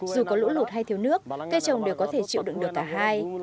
dù có lũ lụt hay thiếu nước cây trồng đều có thể chịu đựng được cả hai